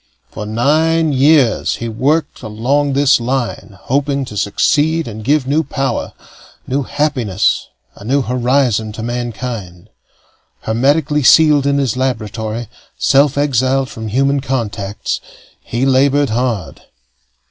For nine years he worked along this line, hoping to succeed and give new power, new happiness, a new horizon to mankind. Hermetically sealed in his laboratory, self exiled from human contacts, he labored hard.